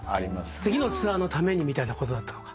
次のツアーのためにみたいなことだったのか。